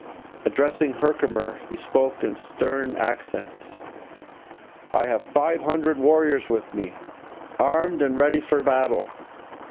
Addressing Herkimer, he spoke in stern accents: 'I have five hundred warriors with me, armed and ready for battle.